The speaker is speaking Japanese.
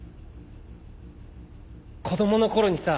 子供の頃にさ。